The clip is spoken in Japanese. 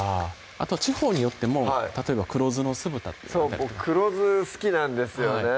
あとは地方によっても例えば黒酢の酢豚ってそう僕黒酢好きなんですよね